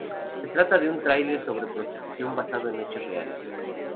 Se trata de un thriller sobre prostitución basado en hechos reales.